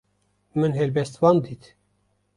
Min helbestvan dît.